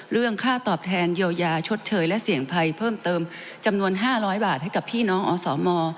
เรื่องค่าตอบแทนเยียวยาชดเชยและเสี่ยงภัยเพิ่มเติมจำนวน๕๐๐บาทให้กับพี่น้องอสม